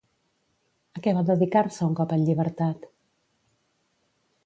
A què va dedicar-se un cop en llibertat?